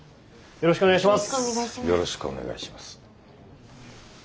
よろしくお願いします。